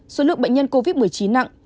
số lượng bệnh nhân covid một mươi chín nặng